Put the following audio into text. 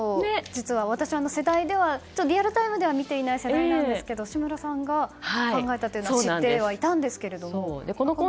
実は私は世代ではリアルタイムでは見ていない世代なんですが志村さんが考えたというのは知ってはいたんですが。